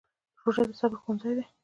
روژه د صبر ښوونځی دی.